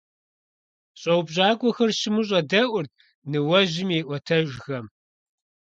ЩӀэупщӀакӀуэхэр щыму щӀэдэӀурт ныуэжьым и Ӏуэтэжхэм.